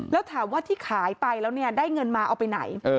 แล้วถามว่าที่ขายไปแล้วเนี่ยได้เงินมาเอาไปไหน